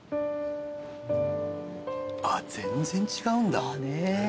あっ全然違うんだ。